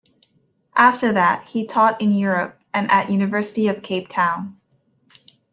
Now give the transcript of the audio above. After that he taught in Europe and at University of Cape Town.